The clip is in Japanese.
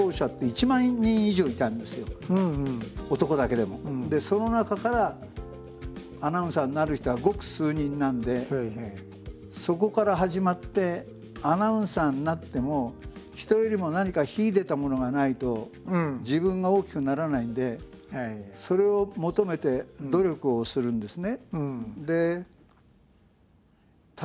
でその中からアナウンサーになる人はごく数人なんでそこから始まってアナウンサーになっても人よりも何か秀でたものがないと自分が大きくならないんでそれを求めて努力をするんですね。